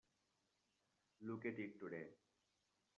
Look at it today.